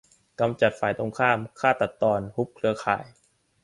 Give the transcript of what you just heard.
กำจัดฝ่ายตรงข้าม ฆ่าตัดตอน ฮุบเครือข่าย